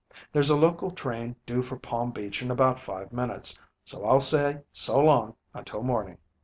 There's a local train due for Palm Beach in about five minutes, so I'll say so long until morning."